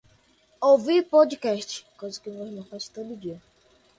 Ouvir podcast